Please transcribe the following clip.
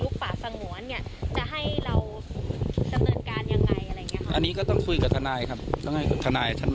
ก็มีสองสามอย่างครับที่คุยกันแล้วครับ